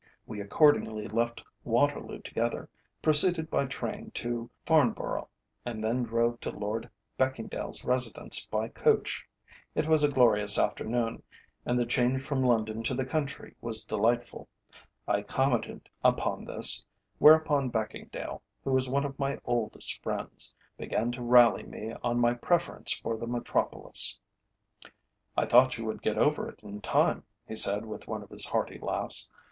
We accordingly left Waterloo together, proceeded by train to Farnborough, and then drove to Lord Beckingdale's residence by coach. It was a glorious afternoon, and the change from London to the country was delightful. I commented upon this, whereupon Beckingdale, who is one of my oldest friends, began to rally me on my preference for the Metropolis. "I thought you would get over it in time," he said with one of his hearty laughs.